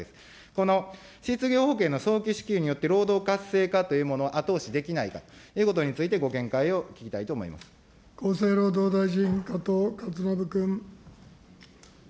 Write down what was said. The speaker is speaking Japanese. この失業保険の早期支給によって、労働活性化というものを後押しできないかということについてご見厚生労働大臣、加藤勝信君。